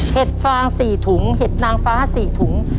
ฟาง๔ถุงเห็ดนางฟ้า๔ถุง